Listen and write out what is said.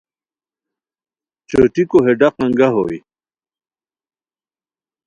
چوٹیکو ہے ڈاق انگہ ہوئے